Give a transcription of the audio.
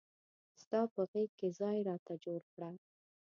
ستا په غیږ کې ځای راته جوړ کړه.